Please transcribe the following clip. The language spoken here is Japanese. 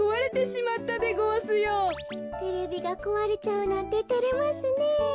テレビがこわれちゃうなんててれますね。